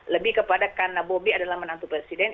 lebih kepada karena bobi adalah menantu presiden